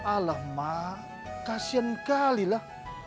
alah mak kasian kali lah